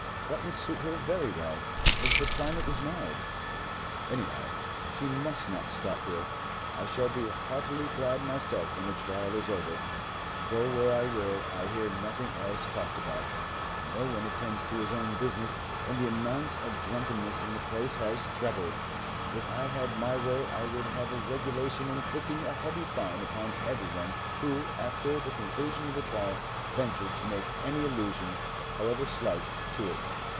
That would suit her very well, as the climate is mild. Anyhow, she must not stop here. I shall be heartily glad myself when the trial is over. Go where I will I hear nothing else talked about. No one attends to his own business, and the amount of drunkenness in the place has trebled. If I had my way, I would have a regulation inflicting a heavy fine upon every one who after the conclusion of the trial ventured to make any allusion, however slight, to it.